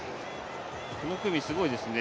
この組、すごいですね